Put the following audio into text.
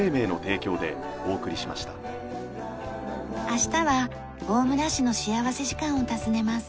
明日は大村市の幸福時間を訪ねます。